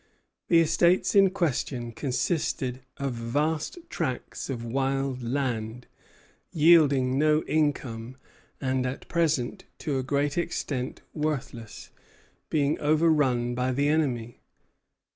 The estates in question consisted of vast tracts of wild land, yielding no income, and at present to a great extent worthless, being overrun by the enemy.